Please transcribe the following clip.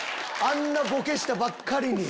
あんなボケしたばっかりに。